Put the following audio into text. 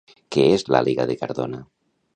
Què és l'Àliga de Cardona?